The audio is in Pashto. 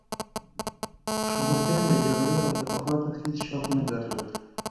شاه حسین د جګړې او فتوحاتو هیڅ شوق نه درلود.